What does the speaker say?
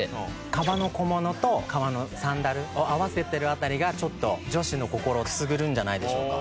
革の小物と革のサンダルを合わせてる辺りがちょっと女子の心をくすぐるんじゃないでしょうか。